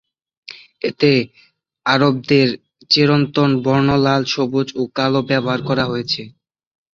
এতে আরবদের চিরন্তন বর্ণ লাল, সবুজ, ও কালো ব্যবহার করা হয়েছে।